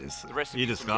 いいですか？